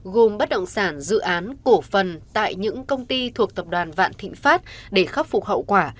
gồm bất động sản dự án cổ phần tại những công ty thuộc tập đoàn vạn thịnh pháp để khắc phục hậu quả